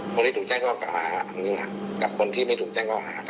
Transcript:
คนที่ถูกแจ้งก็กับอาหารอันนี้หรอกกับคนที่ไม่ถูกแจ้งก็อาหาร